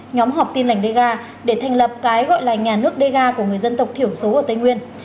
nhóm họp tin lành dega để thành lập cái gọi là nhà nước dega của người dân tộc thiểu số ở tây nguyên